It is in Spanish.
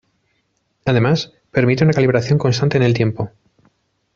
Además, permite una calibración constante en el tiempo.